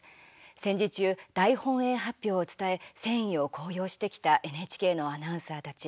戦時中、大本営発表を伝え戦意を高揚してきたＮＨＫのアナウンサーたち。